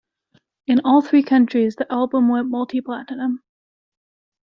In all three countries, the album went multi-platinum.